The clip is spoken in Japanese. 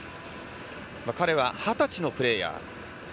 彼は二十歳のプレーヤー。